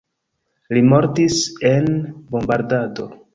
Li mortis en bombardado.